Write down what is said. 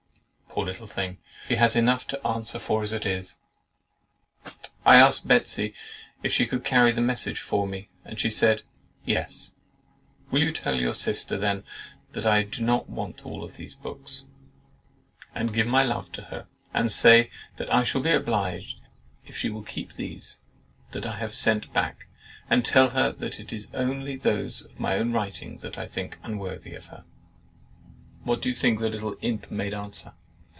Poor little thing! She has enough to answer for, as it is. I asked Betsey if she could carry a message for me, and she said "YES." "Will you tell your sister, then, that I did not want all these books; and give my love to her, and say that I shall be obliged if she will still keep these that I have sent back, and tell her that it is only those of my own writing that I think unworthy of her." What do you think the little imp made answer?